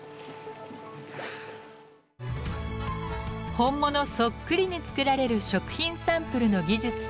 本物そっくりに作られる食品サンプルの技術。